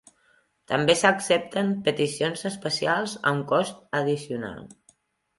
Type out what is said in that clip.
També s'accepten peticions especials a un cost addicional.